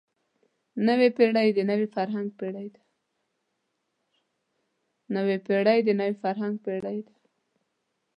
نوې پېړۍ د نوي فرهنګ پېړۍ ده.